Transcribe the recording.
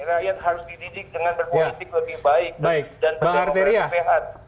rakyat harus dididik dengan berpolitik lebih baik dan benar pemerintah sehat